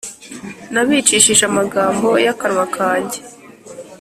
Nabicishije amagambo y akanwa kanjye